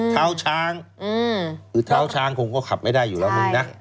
เท้าช้างคือเท้าช้างคงก็ขับไม่ได้อยู่แล้วมึงนะ